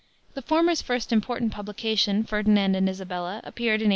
The former's first important publication, Ferdinand and Isabella, appeared in 1837.